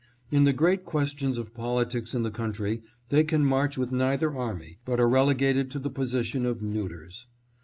In the great questions of politics in the country they can march with neither army, but are relegated to the position of neuters.